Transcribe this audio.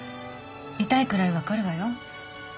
痛いくらい分かるわよ。